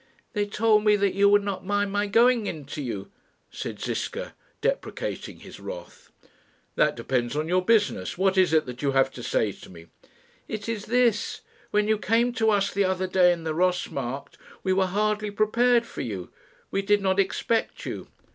"They told me that you would not mind my going in to you," said Ziska, deprecating his wrath. "That depends on your business. What is it that you have to say to me?" "It is this. When you came to us the other day in the Ross Markt, we were hardly prepared for you. We did not expect you."